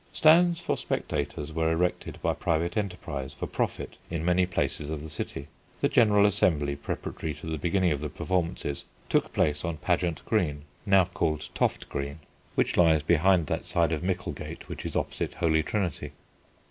Stands for spectators were erected by private enterprise for profit in many places in the city. The general assembly, preparatory to the beginning of the performances {original had "performanes"}, took place on Pageant Green, now called Toft Green (which lies behind that side of Micklegate which is opposite Holy Trinity).